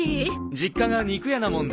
実家が肉屋なもんで。